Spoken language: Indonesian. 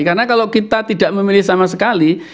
karena kalau kita tidak memilih sama sekali